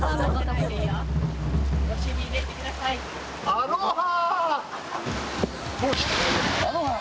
アロハ！